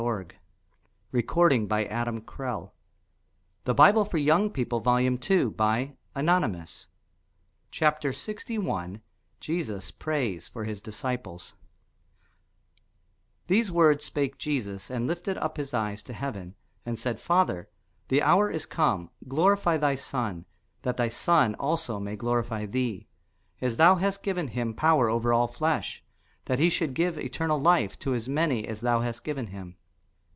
In the world ye shall have tribulation: but be of good cheer; I have overcome the world. CHAPTER 61 JESUS PRAYS FOR HIS DISCIPLES THESE words spake Jesus, and lifted up his eyes to heaven, and said, Father, the hour is come; glorify thy Son, that thy Son also may glorify thee: as thou hast given him power over all flesh, that he should give eternal life to as many as thou hast given him.